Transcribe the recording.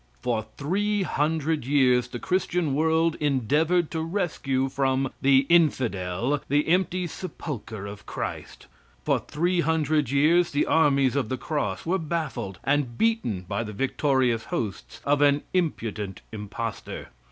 For three hundred years the Christian world endeavored to rescue from the "Infidel" the empty sepulchre of Christ. For three hundred years the armies of the cross were baffled and beaten by the victorious hosts of an impudent impostor.